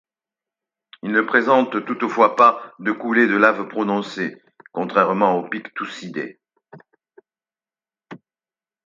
Il ne présente toutefois pas de coulées de lave prononcées, contrairement au pic Toussidé.